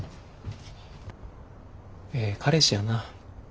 ええ彼氏やな。